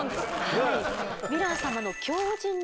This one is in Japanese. はい。